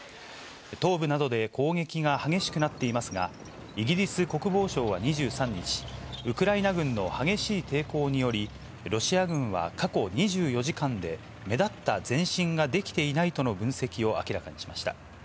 東部などで攻撃が激しくなっていますが、イギリス国防省は２３日、ウクライナ軍の激しい抵抗により、ロシア軍は過去２４時間で目立った前進ができていないとの分析を明らかにしました。